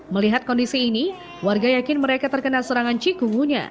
melihat kondisi ini warga yakin mereka terkena serangan cikungunya